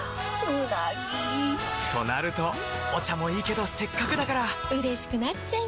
うなぎ！となるとお茶もいいけどせっかくだからうれしくなっちゃいますか！